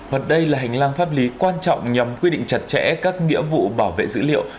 và đây là hành lang pháp lý quan trọng nhằm quy định chặt chẽ các nghĩa vụ bảo vệ dữ liệu